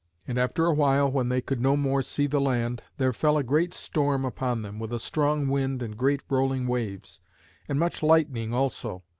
And after a while, when they could no more see the land, there fell a great storm upon them, with a strong wind and great rolling waves, and much lightning also.